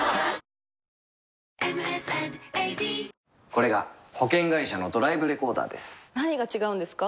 これが保険会社のドライブレコーダーです何が違うんですか？